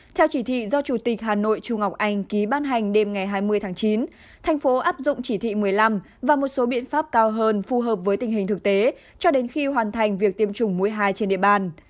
theo chỉ thị do chủ tịch hà nội chu ngọc anh ký ban hành đêm ngày hai mươi tháng chín thành phố áp dụng chỉ thị một mươi năm và một số biện pháp cao hơn phù hợp với tình hình thực tế cho đến khi hoàn thành việc tiêm chủng mũi hai trên địa bàn